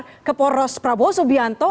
apakah golkar keporos prabowo subianto